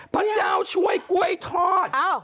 พระเจ้าช่วยกล้วยทอด